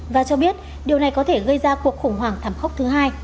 và cho biết điều này có thể gây ra cuộc khủng hoảng thảm khốc thứ hai